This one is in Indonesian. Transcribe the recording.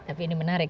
tapi ini menarik